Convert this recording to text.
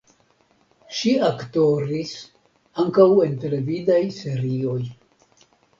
Ŝi aktoris ankaŭ en televidaj serioj.